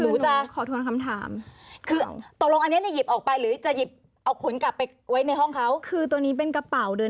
เอ้วก่อนนะครับว่าจะใช้สิทศ์ทางตรงล่าออกกันเลยครับปิ